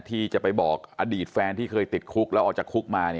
ที่จะไปบอกอดีตแฟนที่เคยติดคุกแล้วออกจากคุกมา